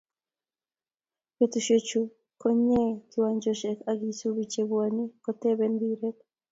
Betushe chu ko nyee kiwanjoshe ak isubii che bwanii kotoben mpiret.